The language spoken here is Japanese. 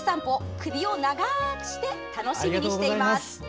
首を長くして楽しみにしています。